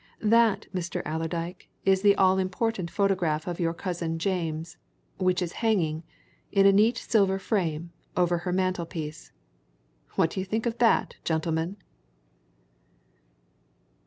That, Mr. Allerdyke, is the all important photograph of your cousin James, which is hanging, in a neat silver frame, over her mantelpiece. What do you think of that, gentlemen?"